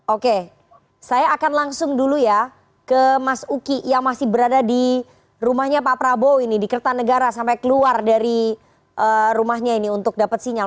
oke saya akan langsung dulu ya ke mas uki yang masih berada di rumahnya pak prabowo ini di kertanegara sampai keluar dari rumahnya ini untuk dapat sinyal